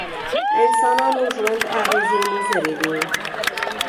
انسانانو ژوند اغېزې مضرې دي.